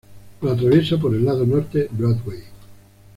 Lo atraviesa por el lado norte Broadway.